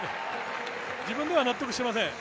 自分では納得してません。